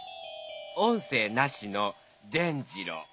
音声なしの伝じろう。